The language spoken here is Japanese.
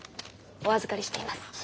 お預かりしています。